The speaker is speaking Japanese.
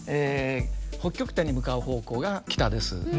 北極点に向かう方向が北です。